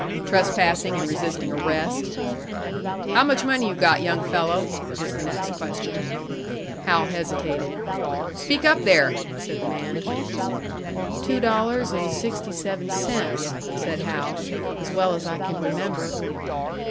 "Trespassing and resisting arrest." "How much money you got, young fellow?" was, the next question. Hal hesitated. "Speak up there!" said the man. "Two dollars and sixty seven cents," said Hal "as well as I can remember."